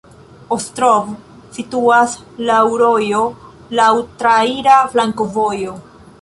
Ostrov situas laŭ rojo, laŭ traira flankovojo.